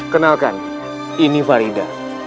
kenalkan ini farida